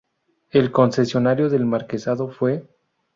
El concesionario del marquesado fue